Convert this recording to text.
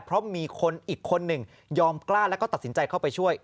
เพราะมีคนอีกคนหนึ่งยอมกล้าแล้วก็ตัดสินใจเข้าไปช่วย